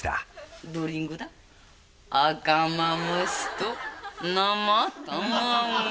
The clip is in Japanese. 「赤まむしと生卵」